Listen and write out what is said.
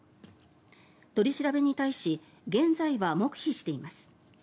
取り調べに対し現在は黙秘しています。